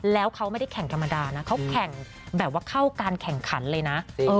แล้วเขาไม่ได้แข่งธรรมดานะเขาแข่งแบบว่าเข้าการแข่งขันเลยนะ